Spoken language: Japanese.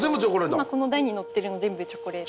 今この台に乗ってるの全部チョコレート。